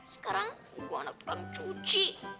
sekarang gue anak anak cuci